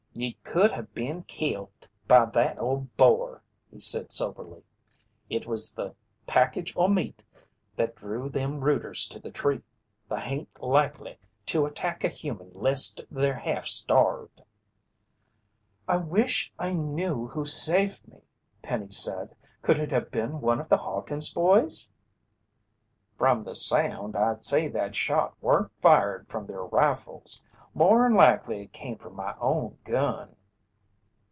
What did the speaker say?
"Ye could have been kilt by that old boar," he said soberly. "It was the package o' meat that drew them rooters to the tree. They hain't likely to attack a human lest they're half starved." "I wish I knew who saved me," Penny said. "Could it have been one of the Hawkins' boys?" "From the sound, I'd say that shot weren't fired from their rifles. More'n likely it came from my own gun!"